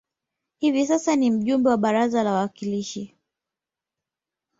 Hivi sasa ni mjumbe wa baraza la wawakilishi